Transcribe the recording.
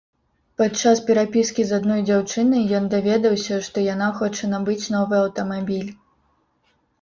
Падчас перапіскі з адной дзяўчынай ён даведаўся, што яна хоча набыць новы аўтамабіль.